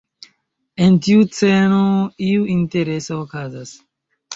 En tiu sceno, iu interesa okazas.